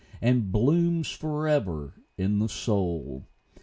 And blooms forever in the soul.